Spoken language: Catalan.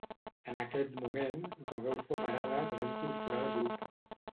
En aquest moment, Rodolfo Parada es va incorporar al grup.